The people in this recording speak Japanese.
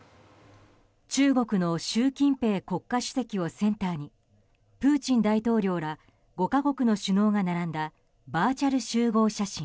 中国の習近平国家主席をセンターにプーチン大統領ら５か国の首脳が並んだバーチャル集合写真。